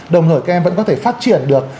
đồng thời các em vẫn có thể phát triển được